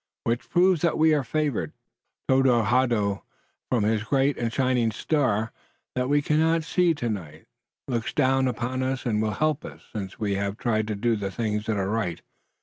"Which proves that we are favored. Tododaho from his great and shining star, that we cannot see tonight, looks down upon us and will help us, since we have tried to do the things that are right.